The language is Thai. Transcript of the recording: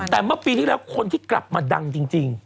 แต่เมื่อปีที่แล้วคนที่กลับมาดังจริง